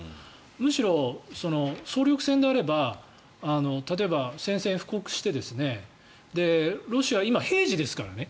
むしろ総力戦であれば例えば宣戦布告してロシア、今、平時ですからね。